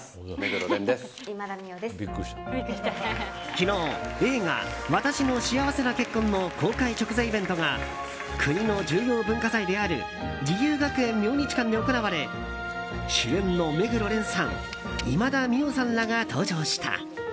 昨日映画「わたしの幸せな結婚」の公開直前イベントが国の重要文化財である自由学園明日館で行われ主演の目黒蓮さん今田美桜さんらが登場した。